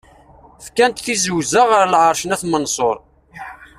Fkan-tt tezwzǧ ar Lɛerc n At Menṣuṛ.